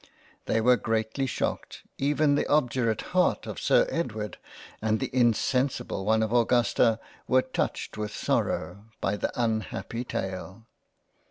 They were greatly shocked — even the obdurate Heart of Sir Edward and the insensible one of Augusta, were touched with sorrow, by the unhappy tale.